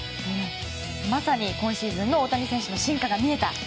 まさに今シーズンの大谷選手の進化が見えた